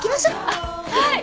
はい。